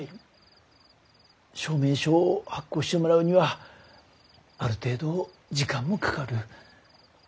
証明書を発行してもらうにはある程度時間もかかる。